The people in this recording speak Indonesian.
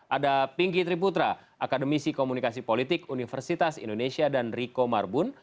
ada pinky triputra akademisi komunikasi politik universitas indonesia dan riko marbun